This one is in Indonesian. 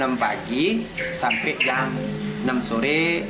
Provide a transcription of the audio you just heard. sampai jam enam sore